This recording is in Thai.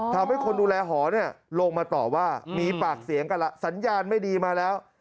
ทำให้คนดูแลหอเนี่ยลงมาต่อว่ามีปากเสียงกันล่ะสัญญาณไม่ดีมาแล้ว